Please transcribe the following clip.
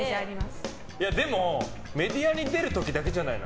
でも、メディアに出る時だけじゃないの？